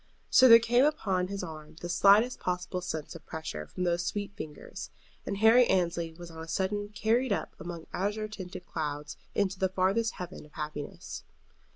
So there came upon his arm the slightest possible sense of pressure from those sweet fingers, and Harry Annesley was on a sudden carried up among azure tinted clouds into the farthest heaven of happiness.